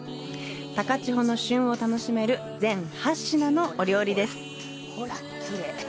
高千穂の旬を楽しめる全８品のお料理です。